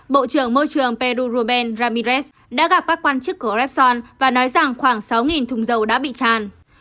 bộ trưởng môi trường peru rubén ramírez đã gặp các quan chức của repson và nói rằng khoảng sáu thùng dầu đã bị tràn